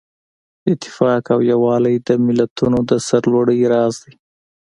اتفاق او یووالی د ملتونو د سرلوړۍ راز دی.